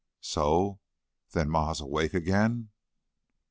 "So? Then Ma is awake again?"